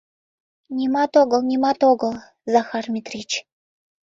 — Нимат огыл, нимат огыл, Захар Митрич!